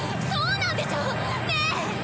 そうなんでしょ！ねえ！